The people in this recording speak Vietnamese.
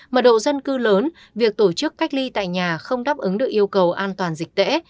mật độ dân cư lớn việc tổ chức cách ly tại nhà không đáp ứng được yêu cầu an toàn dịch tễ